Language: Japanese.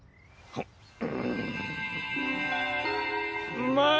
うまい！